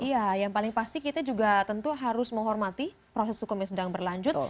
iya yang paling pasti kita juga tentu harus menghormati proses hukum yang sedang berlanjut